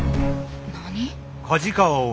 何？